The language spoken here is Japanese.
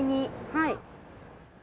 はい。